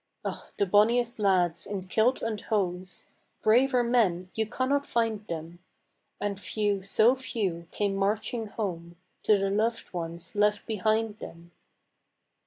Oh, the bonniest lads in kilt and hose Braver men, you cannot find them And few, so few, came marching home To the loved ones left behind them.